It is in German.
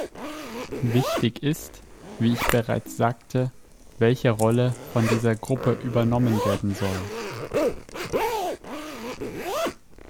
Wichtig ist, wie ich bereits sagte, welche Rolle von dieser Gruppe übernommen werden soll.